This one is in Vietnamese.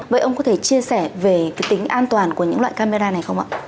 vậy ông có thể chia sẻ về cái tính an toàn của những loại camera này không ạ